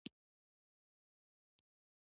دا د ماشینونو او ودانیو د ارزښت برخه ده